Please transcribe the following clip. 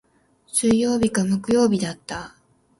水曜日か木曜日だった。